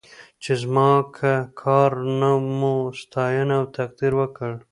چې زما که کار نه مو ستاینه او تقدير وکړ.